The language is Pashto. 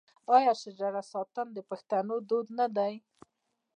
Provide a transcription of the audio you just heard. آیا شجره ساتل د پښتنو دود نه دی؟